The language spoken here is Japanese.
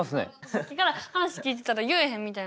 さっきから話聞いてたら言えへんみたいな。